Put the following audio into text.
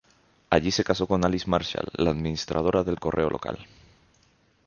Allí se casó con Alice Marshall, la administradora del correo local.